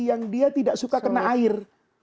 yang dia tidak suka kena air